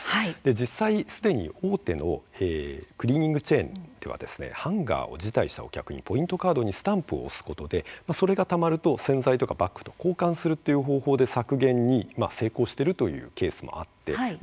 実際すでに大手のクリーニングチェーンではハンガーを辞退したお客にポイントカードにスタンプを押すことで、それがたまると洗剤やバッグと交換するという方法で削減に成功しているというケースもあります。